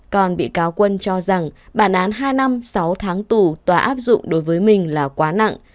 còn bị cáo quân cho rằng bản án hai năm sáu tháng tù tòa áp dụng đối với mình là quá nặng